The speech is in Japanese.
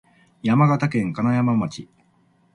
山形県金山町